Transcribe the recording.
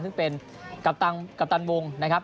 ซึ่งเป็นกัปตันวงศ์นะครับ